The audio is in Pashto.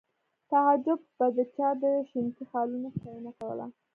تعجب به د چا د شینکي خالونو ستاینه کوله